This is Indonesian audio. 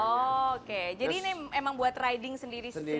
oke jadi ini emang buat riding sendiri